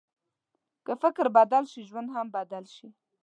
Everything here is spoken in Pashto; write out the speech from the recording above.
که فکر بدل شي، ژوند هم بدل شي.